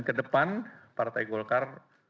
dari depan partai golkar